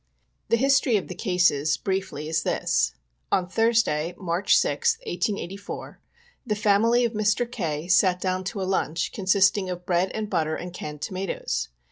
The history of the cases, briefly, is this : On Thursday, March 6th, 1884, the family of Mr. K. sat down to a lunch, consisting of bread and butter and canned tomatoes.